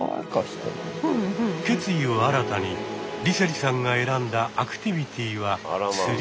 決意を新たに梨星さんが選んだアクティビティは釣り。